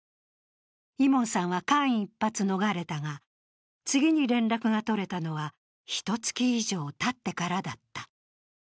イモンさんは間一髪逃れたが、次に連絡が取れたのはひと月以上たってからだった。